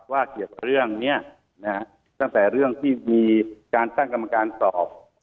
เกี่ยวกับเรื่องนี้นะฮะตั้งแต่เรื่องที่มีการตั้งกรรมการสอบ